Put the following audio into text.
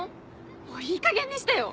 もういいかげんにしてよ！